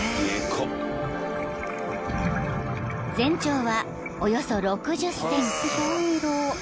［全長はおよそ６０ｃｍ。